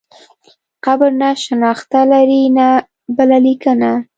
قبر نه شنخته لري نه بله لیکنه.